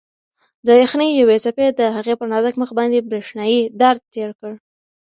د یخنۍ یوې څپې د هغې پر نازک مخ باندې برېښنايي درد تېر کړ.